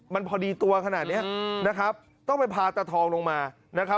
มันพอดีตัวขนาดนี้ต้องไปพาตาทองลงมา